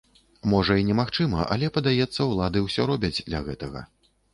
Можа, і немагчыма, але, падаецца, улады ўсё робяць для гэтага.